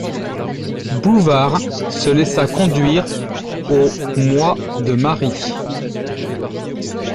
Bouvard se laissa conduire au mois de Marie.